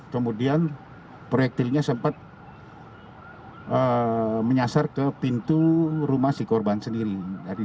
kemudian proyektilnya sempat menyasar ke pintu rumah si korban sendiri